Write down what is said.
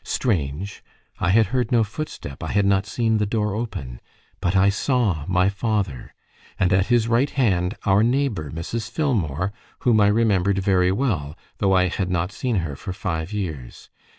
Strange! I had heard no footstep, I had not seen the door open; but I saw my father, and at his right hand our neighbour Mrs. Filmore, whom I remembered very well, though I had not seen her for five years.